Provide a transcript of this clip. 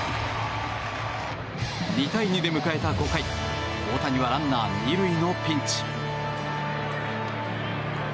２対２で迎えた５回大谷はランナー２塁のピンチ。